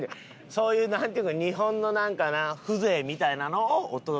そういうなんていうか日本のなんかな風情みたいなのをお届けしよう。